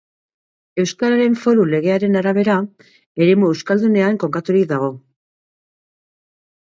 Euskararen Foru Legearen arabera, eremu euskaldunean kokaturik dago.